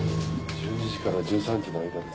１２時から１３時の間です。